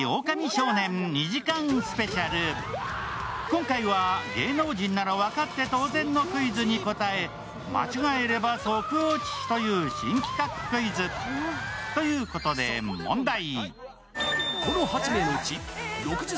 今回は芸能人なら分かって当然のクイズに答え間違えれば即落ちという新企画クイズ。ということで問題。